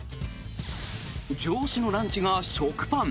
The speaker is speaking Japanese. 上司のランチが食パン。